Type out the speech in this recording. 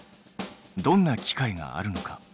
どんな機械があるのか？